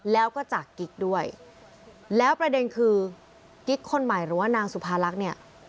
แล้วก็จากกิ๊กด้วยแล้วประเด็นคือกิ๊กคนใหม่หรือว่านางสุภาลักษณ์เนี่ย